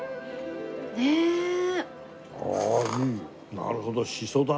なるほどしそだね。